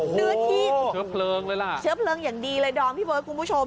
เชื้อเพลิงเลยล่ะเชื้อเพลิงอย่างดีเลยดอมที่บอกให้คุณผู้ชม